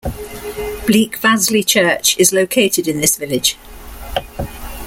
Bleikvassli Church is located in this village.